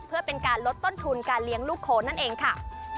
เพื่อเป็นการลดต้นทุนการเลี้ยงลูกโคนนั่นเองค่ะ